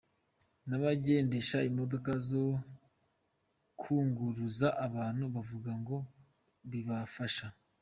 N’abagendesha imodoka zo kwunguruza abantu bavuga ko bibafasha.